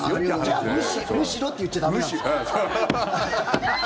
じゃあ、むしろって言っちゃ駄目なんです。